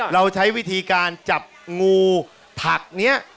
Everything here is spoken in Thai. เราใช้วิธีการจับงูผักนี้